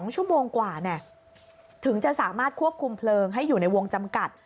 ๒ชั่วโมงกว่าถึงจะสามารถควบคุมเพลิงให้อยู่ในวงจำกัด